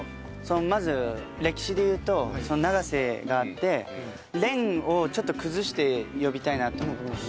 まず歴史で言うと「永瀬」があって「廉」をちょっと崩して呼びたいなと思って。